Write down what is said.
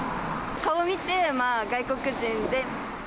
顔見て、外国人で。